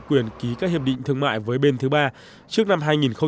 quyền ký các hiệp định thương mại với bên thứ ba trước năm hai nghìn hai mươi một